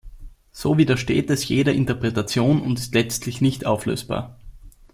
So widersteht es jeder Interpretation und ist letztlich nicht auflösbar.